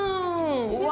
うわ！